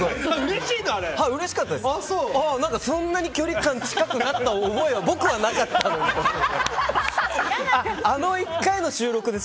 そんなに距離感近くなった覚えは僕はなかったので。